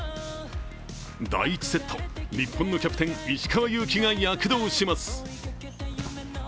第１セット、日本のキャプテン石川祐希が躍動します。